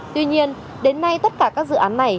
tuy nhiên đến nay tất cả các dự án này